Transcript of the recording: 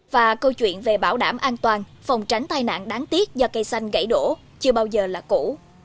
và câu chuyện về bảo đảm an toàn phòng tránh tai nạn đáng tiếc do cây xanh gãy đổ chưa bao giờ là cũ